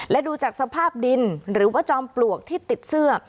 และดูจากสภาพดินหรือว่าจอมปลวกที่ติดเสื้อ